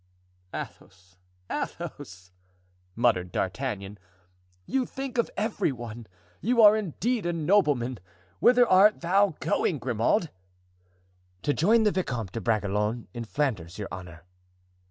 "Athos! Athos!" muttered D'Artagnan; "you think of every one; you are indeed a nobleman! Whither art thou going, Grimaud?" "To join the Vicomte de Bragelonne in Flanders, your honor."